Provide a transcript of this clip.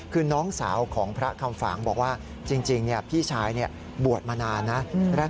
คือน้องสาวของพระคำฝางบอกว่าจริงพี่ชายบวชมานานนะ